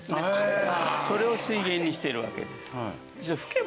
それを水源にしているわけです。